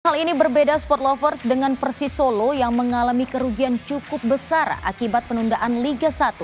hal ini berbeda sport lovers dengan persisolo yang mengalami kerugian cukup besar akibat penundaan liga satu